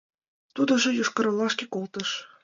Тудыжо Йошкар-Олашке колтыш.